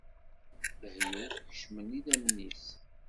Lehyuf kecmen idammen-is.